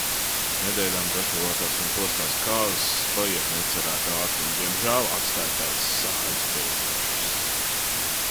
Nedēļām gatavotās un postās kāzas paiet necerēti ātri un diemžēl atstāj tādas sājas pēcgaršas.